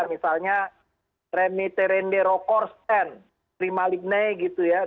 misalnya remi terende rokorsen rima ligne gitu ya